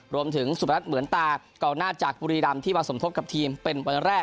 สุพนัทเหมือนตากองหน้าจากบุรีรำที่มาสมทบกับทีมเป็นวันแรก